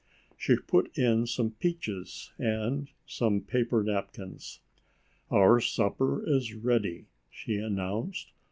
She put in some peaches and some paper napkins. "Our supper is ready," she announced.